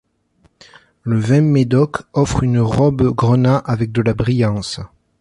Le vin médoc offre une robe grenat avec de la brillance.